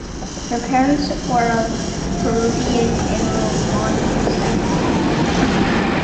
Her parents are of Peruvian and Romani descent.